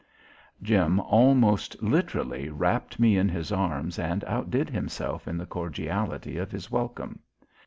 Jim almost literally wrapped me in his arms and outdid himself in the cordiality of his welcome.